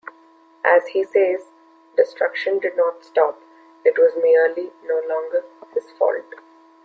As he says, destruction did not stop, it was merely no longer his fault.